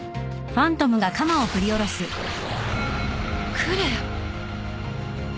クレア。